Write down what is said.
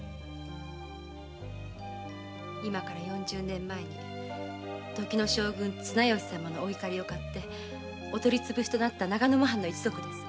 今から四十年前時の将軍綱吉様の怒りにふれお取りつぶしになった長沼藩の一族です。